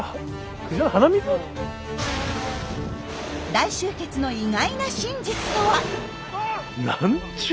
大集結の意外な真実とは！